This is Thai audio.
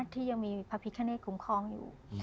ที่ยังมีพระพิคเนตคุ้มครองอยู่